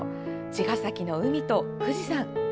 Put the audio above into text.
茅ヶ崎の海と、富士山。